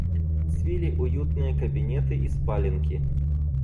Свили уютные кабинеты и спаленки.